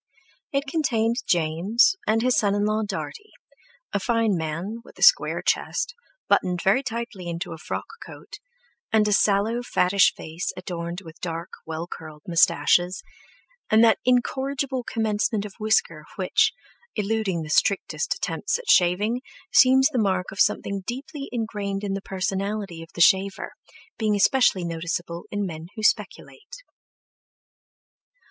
It contained James and his son in law Dartie, a fine man, with a square chest, buttoned very tightly into a frock coat, and a sallow, fattish face adorned with dark, well curled moustaches, and that incorrigible commencement of whisker which, eluding the strictest attempts at shaving, seems the mark of something deeply ingrained in the personality of the shaver, being especially noticeable in men who speculate.